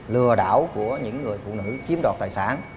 lừa đảo của những người phụ nữ kiếm đọt tài sản